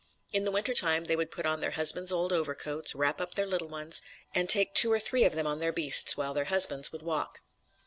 In the winter time they would put on their husbands' old overcoats, wrap up their little ones, and take two or three of them on their beasts, while their husbands would walk.